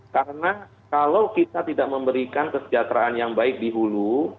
karena kalau kita tidak memberikan kesejahteraan yang baik di hulu